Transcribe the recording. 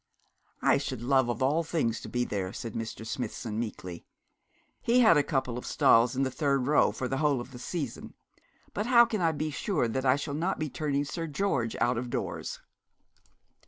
'I should love of all things to be there,' said Mr. Smithson, meekly. He had a couple of stalls in the third row for the whole of the season. 'But how can I be sure that I shall not be turning Sir George out of doors?'